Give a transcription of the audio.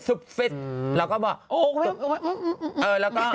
ซับเฟซเราก็บอก